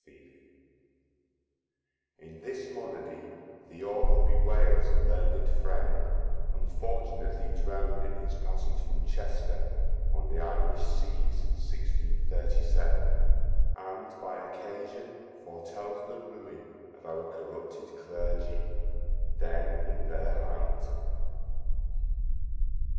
Y Z Lycidas In this Monody the Author bewails a learned Friend, unfortunatly drown'd in his Passage from Chester on the Irish Seas, 1637. And by occasion foretels the ruine of our corrupted Clergy then in their height.